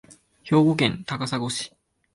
兵庫県高砂市